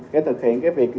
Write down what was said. để thực hiện việc này